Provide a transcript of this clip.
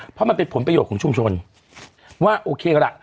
เพราะมันเป็นผลประโยชน์ของชุมชนว่าโอเคละ